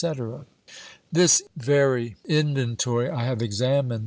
This very inventory I have examined.